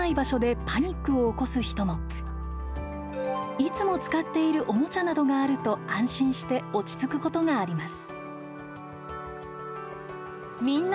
いつも使っているおもちゃなどがあると安心して落ち着くことがあります。